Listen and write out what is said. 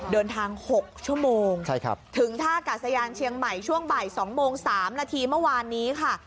เดินทาง๖ชั่วโมงถึงท่ากาศยานเชียงใหม่ช่วงบ่าย๒โมง๓นาทีเมื่อวานนี้ค่ะ